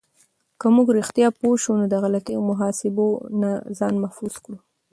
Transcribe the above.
که موږ رښتیا پوه شو، نو د غلطو محاسبو نه ځان محفوظ کړو.